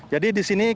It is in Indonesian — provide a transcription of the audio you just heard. jadi di sini kita